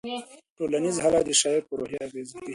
ټولنیز حالات د شاعر په روحیه اغېز کوي.